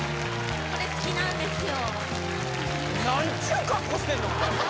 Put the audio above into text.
これ好きなんですよ